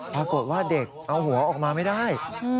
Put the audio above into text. ปรากฏว่าเด็กเอาหัวออกมาไม่ได้